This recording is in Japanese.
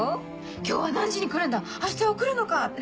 「今日は何時に来るんだ⁉明日は来るのか⁉」って。